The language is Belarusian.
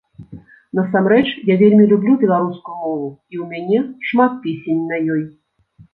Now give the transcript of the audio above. Насамрэч, я вельмі люблю беларускую мову, і ў мяне шмат песень на ёй.